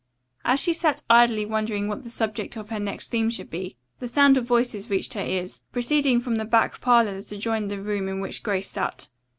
As she sat idly wondering what the subject of her next theme should be, the sound of voices reached her ears, proceeding from the back parlor that adjoined the room in which Grace sat.